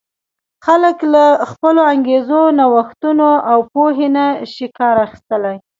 خلک له خپلو انګېزو، نوښتونو او پوهې نه شي کار اخیستلای.